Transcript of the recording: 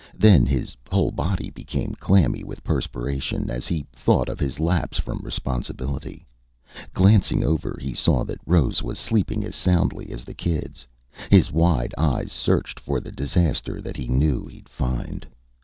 Then his whole body became clammy with perspiration, as he thought of his lapse from responsibility; glancing over, he saw that Rose was sleeping as soundly as the kids. His wide eyes searched for the disaster that he knew he'd find....